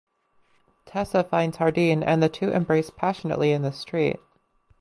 Tessa finds Hardin and the two embrace passionately in the street.